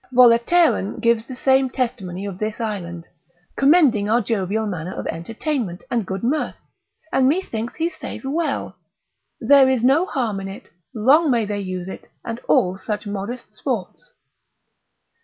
Volateran gives the same testimony of this island, commending our jovial manner of entertainment and good mirth, and methinks he saith well, there is no harm in it; long may they use it, and all such modest sports.